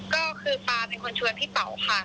ก็คือปลาเป็นคนชวนพี่เป๋าค่ะ